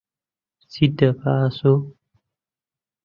چیت دا بە ئاسۆ؟